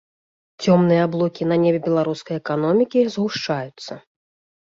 Цёмныя аблокі на небе беларускай эканомікі згушчаюцца.